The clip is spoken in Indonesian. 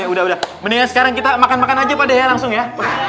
udah udah mendingan sekarang kita makan makan aja pada langsung ya